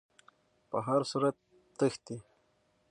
په هر صورت تښتي.